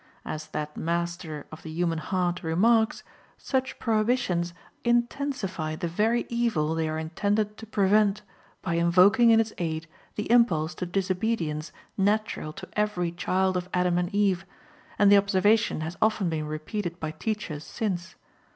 As that master of the human heart remarks, such prohibitions intensify the very evil they are intended to prevent by invoking in its aid the impulse to disobedience natural to every child of Adam and Eve, and the observation has often been repeated by teachers since.